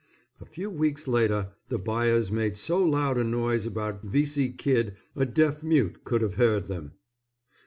A few weeks later, the buyers made so loud a noise about Vici Kid a deaf mute could have heard 'em.